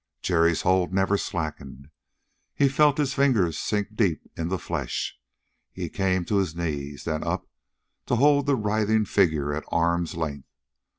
Jerry's hold never slackened. He felt his fingers sink deep in the flesh. He came to his knees, then up, to hold the writhing figure at arm's length.